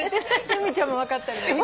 由美ちゃんも分かってるもんね。